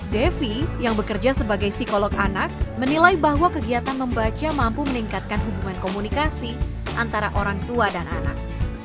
devi yang bekerja sebagai psikolog anak menilai bahwa kegiatan membaca mampu meningkatkan hubungan komunikasi antara orang tua dan anak